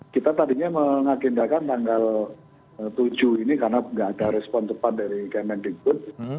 kita tadinya mengagendakan tanggal tujuh ini karena tidak ada respon tepat dari kemendik putri